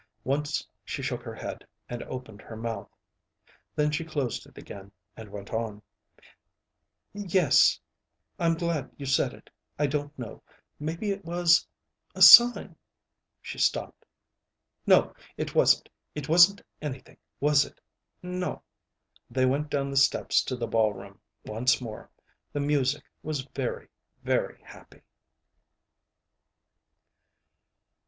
Once she shook her head and opened her mouth. Then she closed it again and went on. "Yes. I'm glad you said it. I don't know. Maybe it was a sign ... a sign that he was dead. Maybe it was a sign ..." She stopped. "No. It wasn't. It wasn't anything, was it? No." They went down the steps to the ballroom once more. The music was very, very happy.